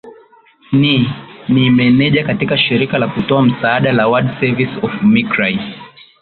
ni ni meneja katika shirika la kutoa msaada la ward service of micrai